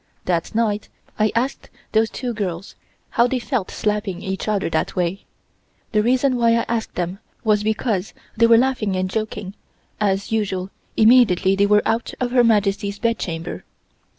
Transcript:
That night I asked those two girls how they felt slapping each other that way. The reason why I asked them was because they were laughing and joking as usual immediately they were out of Her Majesty's bedchamber.